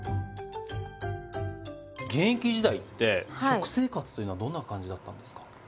現役時代って食生活というのはどんな感じだったんですか？